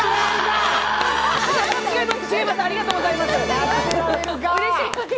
ありがとうございます。